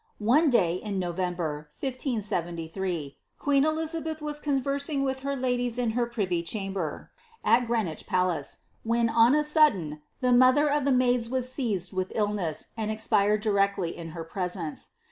One day in November, 1573, queen Elizabeth was conversing with her ' Cnmdsn r Royal ELIZABETH. 299 ladies in her privy chamber, at Greenwich palace, when, on a sudden, the mother of the maids was seized with illness, and expired directly in her presence.